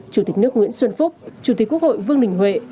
chủ tịch nước nguyễn xuân phúc chủ tịch quốc hội vương đình huệ